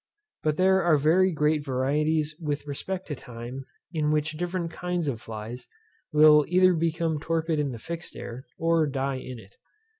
But there are very great varieties with respect to the time in which different kinds of flies will either become torpid in the fixed air, or die in it.